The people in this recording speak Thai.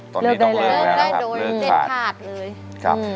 พ่อบอกว่ามันเลิกยากค่ะ